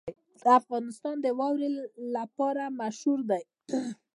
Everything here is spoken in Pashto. افغانستان د واوره لپاره مشهور دی.